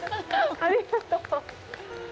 ありがとう。